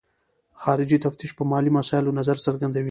خارجي تفتیش په مالي مسایلو نظر څرګندوي.